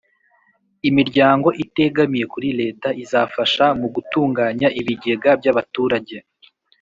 imiryango itegamiye kuri leta izafasha mu gutunganya ibigega by'abaturage.